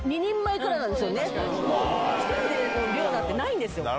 １人の量なんてないんですよ。